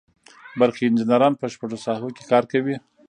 برقي انجینران په شپږو ساحو کې کار کوي.